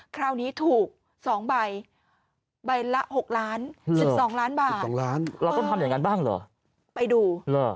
คราวนี้ถูก๒ใบใบละ๖ล้าน๑๒ล้านบาท๑๒ล้านเราต้องทำอย่างนั้นบ้างเหรอไปดู